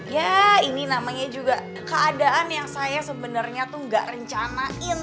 ya ini namanya juga keadaan yang saya sebenarnya tuh gak rencanain